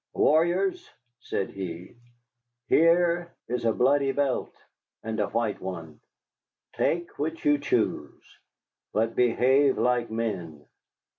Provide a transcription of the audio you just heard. "Warriors," said he, "here is a bloody belt and a white one; take which you choose. But behave like men.